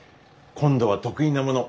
今度は得意なもの